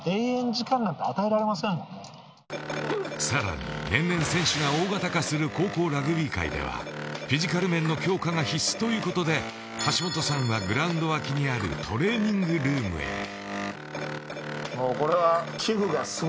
さらに、年々、選手が大型化する高校ラグビー界ではフィジカル面の強化が必須ということで橋下さんはグラウンド脇にあるトレーニングルームへ。